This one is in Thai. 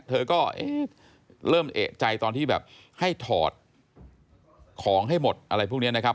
เธอก็เริ่มเอกใจตอนที่แบบให้ถอดของให้หมดอะไรพวกนี้นะครับ